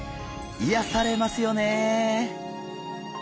いやされますよね。